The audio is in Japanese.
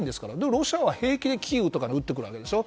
ロシアは平気でキーウとかに撃ってくるわけでしょ。